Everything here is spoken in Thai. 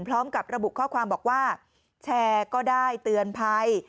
พร้อมกับระบุข้อความบอกว่าแชร์ก็ได้เตือนภัย